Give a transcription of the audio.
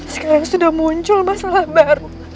sekarang sudah muncul masalah baru